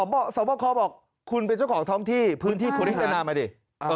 ก็ศพคบอกคุณเป็นเจ้าของท้องที่พื้นที่คุณปฏิศจำหน้ามาดิ